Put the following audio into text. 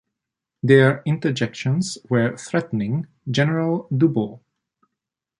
Their interjections were threatening General Dubourg.